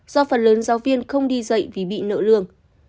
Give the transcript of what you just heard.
do phần lớn giáo viên không đi dạy vì bị nợ lương